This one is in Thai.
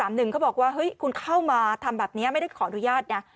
เขาบอกว่าเฮ้ยคุณเข้ามาทำแบบนี้ไม่ได้ขออนุญาตนะ